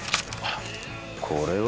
これは？